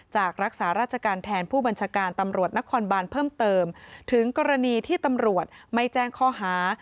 รักษาราชการแทนผู้บัญชาการตำรวจนครบานเพิ่มเติมถึงกรณีที่ตำรวจไม่แจ้งข้อหา